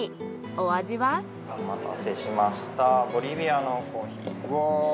お待たせしましたボリビアのコーヒーですね。